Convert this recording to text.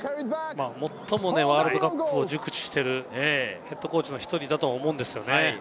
最もワールドカップを熟知しているＨＣの１人だと思うんですよね。